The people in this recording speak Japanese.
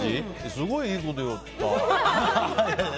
すごい、いいこと言った。